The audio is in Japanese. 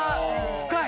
深い。